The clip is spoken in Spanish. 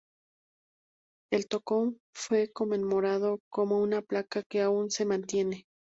El tocón fue conmemorado con una placa que aún se mantiene.